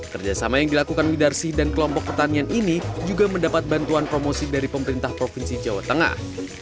kerjasama yang dilakukan widarsi dan kelompok pertanian ini juga mendapat bantuan promosi dari pemerintah provinsi jawa tengah